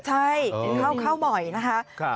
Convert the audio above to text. ใช่เข้าหม่อยนะคะ